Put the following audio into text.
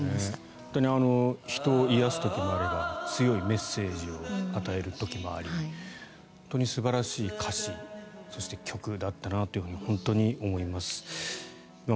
本当に人を癒やす時もあれば強いメッセージを与える時もあり本当に素晴らしい歌詞そして曲だったなと本当に思います。